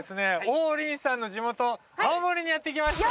王林さんの地元青森にやって来ました。